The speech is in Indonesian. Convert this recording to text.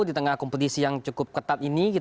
di tengah kompetisi yang cukup ketat ini